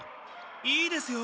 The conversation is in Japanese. いいですよ。